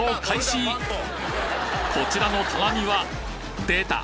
こちらの棚には出た！